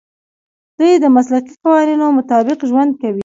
دوی د مسلکي قوانینو مطابق ژوند کوي.